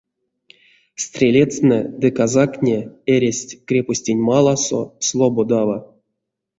Стрелецтнэ ды казактне эрясть крепостенть маласо слободава.